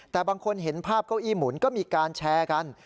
แต่บางคนเห็นภาพเก้าอี้หมุนก็มีการแชร์กัน